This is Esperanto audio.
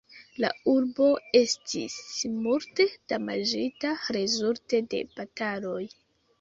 La urbo estis multe damaĝita rezulte de bataloj.